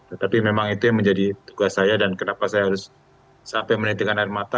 tetapi memang itu yang menjadi tugas saya dan kenapa saya harus sampai menitikan air mata